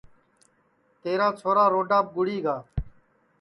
تیرا چھورا روڈاپ گُڑی گا